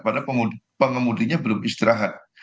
padahal pengemudinya belum istirahat